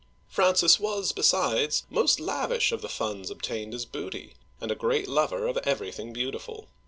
Francis was, besides, most lavish of the funds obtained as booty, and a great lover of everything beautiful.